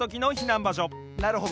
なるほど。